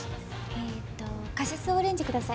えっとカシスオレンジ下さい。